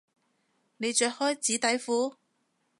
你着開紙底褲？